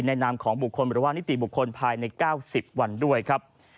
นามของบุคคลหรือว่านิติบุคคลภายใน๙๐วันด้วยครับ